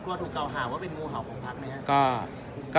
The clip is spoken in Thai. กลัวถูกเกาหาว่าเป็นงูเห่าของภักดิ์ไหมครับ